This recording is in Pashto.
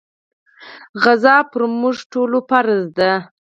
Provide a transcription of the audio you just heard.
غزا پر موږ ټولو فرض ده.